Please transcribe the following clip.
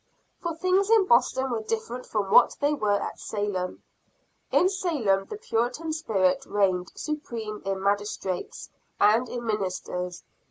For things in Boston were different from what they were at Salem. In Salem the Puritan spirit reigned supreme in magistrates and in ministers.